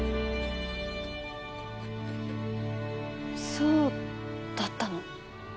そうだったの？